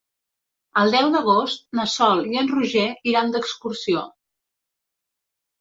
El deu d'agost na Sol i en Roger iran d'excursió.